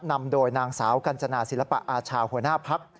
นำโดยนางสาวกัญจนาศิลปะอาชาหัวหน้าพัก